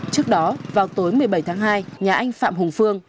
trước đó vào tối một mươi bảy tháng hai nhà anh phạm hùng phương